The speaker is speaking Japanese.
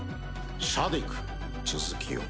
シャディク続きを。